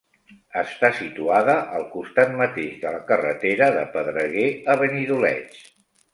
Està situada al costat mateix de la carretera de Pedreguer a Benidoleig.